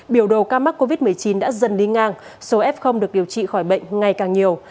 biểu đồ ca mắc covid một mươi chín đã dần đi ngang số f được điều trị khỏi bệnh ngày càng nhiều